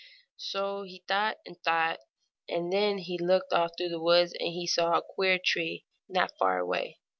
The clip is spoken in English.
So he thought and thought, and then he looked off through the woods and he saw a queer tree not far away.